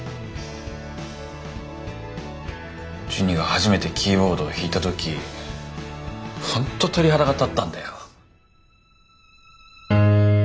ジュニが初めてキーボードを弾いた時本当鳥肌が立ったんだよ。